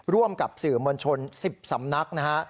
ร่วมกับสื่อมวลชน๑๐สำนักนะฮะ